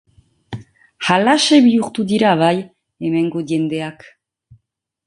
Halaxe bihurtu dira, bai, hemengo jendeak.